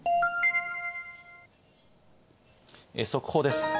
速報です。